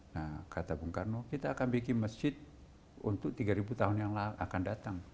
nah kata bung karno kita akan bikin masjid untuk tiga tahun yang akan datang